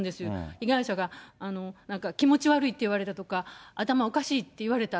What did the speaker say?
被害者がなんか気持ち悪いって言われたとか、頭おかしいって言われた。